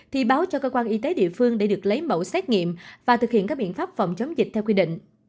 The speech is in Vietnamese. thì báo cho cơ quan y tế địa phương để được lấy mẫu xét nghiệm và thực hiện các biện pháp phòng chống dịch theo quy định